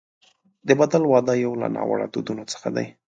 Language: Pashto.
د بدل واده یو له ناوړه دودونو څخه دی.